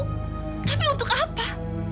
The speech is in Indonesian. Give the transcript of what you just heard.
tapi untuk apa